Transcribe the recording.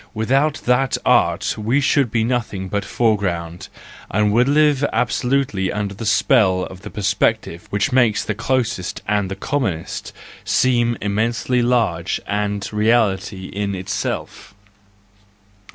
Without that art we should be nothing but fore¬ ground, and would live absolutely under the spell of the perspective which makes the closest and the commonest seem immensely large and like reality in itself.